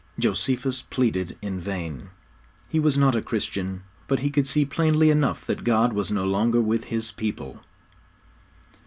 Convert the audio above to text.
Josephus pleaded in vain. He was not a Christian, but he could see plainly enough that God was no longer with His people.